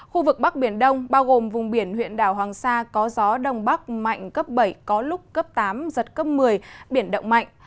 khu vực bắc biển đông bao gồm vùng biển huyện đảo hoàng sa có gió đông bắc mạnh cấp bảy có lúc cấp tám giật cấp một mươi biển động mạnh